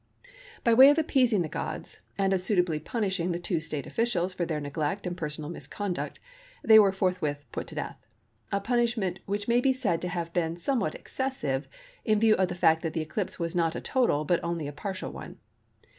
By way of appeasing the gods, and of suitably punishing the two State officials for their neglect and personal misconduct, they were forthwith put to death, a punishment which may be said to have been somewhat excessive, in view of the fact that the eclipse was not a total but only a partial one.